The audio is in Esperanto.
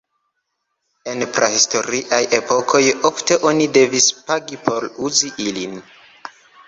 El prahistoriaj epokoj foje oni devis pagi por uzi ilin.